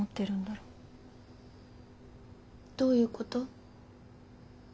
どういうこと？